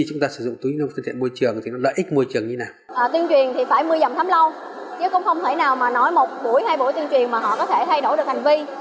chứ cũng không thể nào mà nói một buổi hay hai buổi tuyên truyền mà họ có thể thay đổi được hành vi